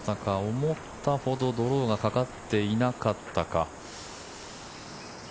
思ったほどドローがかかっていなかったか。